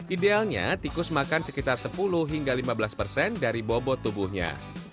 idealnya tikus makan sekitar sepuluh hingga lima belas dari bobot tubuhnya